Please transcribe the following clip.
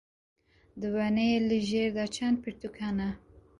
Di wêneyê li jêr de çend pirtûk hene?